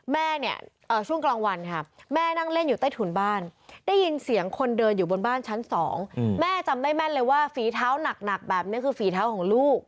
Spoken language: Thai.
แม่จำได้แม่นเลยว่าฝีเท้านักแบบนี้ฝีเท้าของลูก